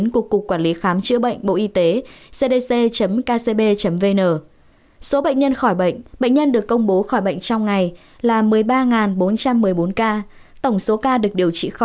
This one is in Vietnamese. của cục quản lý covid một mươi chín